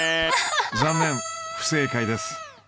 残念不正解です。